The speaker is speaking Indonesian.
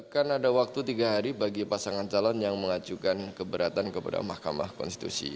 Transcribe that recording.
kan ada waktu tiga hari bagi pasangan calon yang mengajukan keberatan kepada mahkamah konstitusi